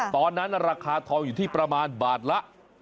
ตอนนั้นราคาทองอยู่ที่ประมาณบาทละ